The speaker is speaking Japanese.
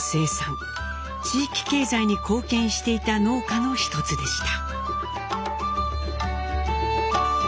地域経済に貢献していた農家の一つでした。